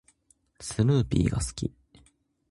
スヌーピーが好き。